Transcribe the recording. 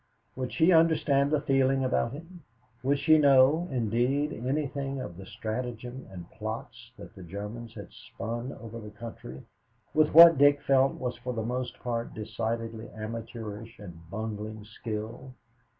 Would she understand the feeling about him? Would she know, indeed, anything of the stratagem and plots that the Germans had spun over the country, with what Dick felt was for the most part decidedly amateurish and bungling skill?